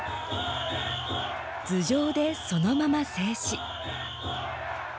頭上でそのまま静止。